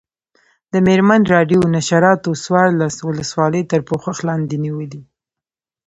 د مېرمن راډیو نشراتو څوارلس ولسوالۍ تر پوښښ لاندې نیولي.